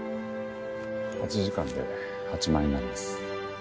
８時間で８万円になります。